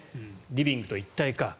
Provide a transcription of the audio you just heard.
リビングと一体化。